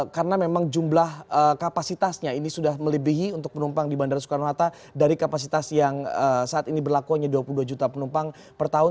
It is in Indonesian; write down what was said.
karena memang jumlah kapasitasnya ini sudah melebihi untuk penumpang di bandara soekarno hatta dari kapasitas yang saat ini berlaku hanya dua puluh dua juta penumpang per tahun